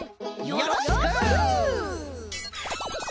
よろしく！